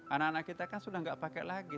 anak anak kita kan sudah tidak pakai lagi